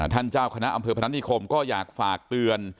เจ้าคณะอำเภอพนัฐนิคมก็อยากฝากเตือน